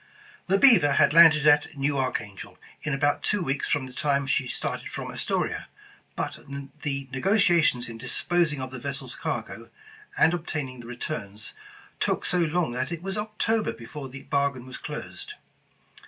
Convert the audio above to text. The Beaver had landed at New Archangel in about two weeks from the time she started from Astoria, but the negotiations in disposing of the vessel's cargo, and obtaining the returns, took so long that it was October before the bargain was closed.